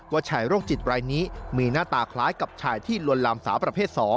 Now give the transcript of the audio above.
ชายโรคจิตรายนี้มีหน้าตาคล้ายกับชายที่ลวนลามสาวประเภท๒